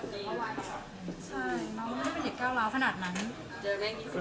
ใช่น้องไม่ได้เป็นเด็กก้าวร้าวขนาดนั้น